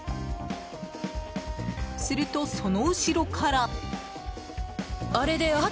すると、その後ろから。